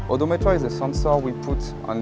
odometer adalah sensor yang kita letak di kudang